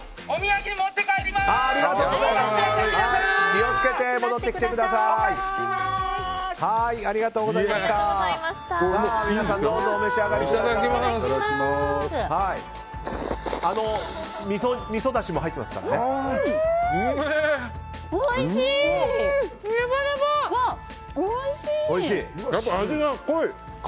おいしい！